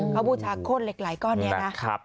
เขาบูชาโค้ดเล็กก้อนเนี่ยนะครับ